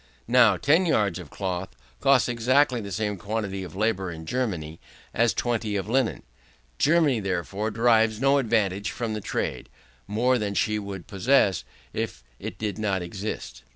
Now, 10 yards of cloth cost exactly the same quantity of labour in Germany as 20 of linen; Germany, therefore, derives no advantage from the trade, more than she would possess if it did not exist.